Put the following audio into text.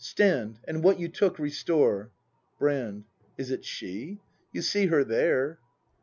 Stand, and what you took restore! Brand. Is it she ? You see her there.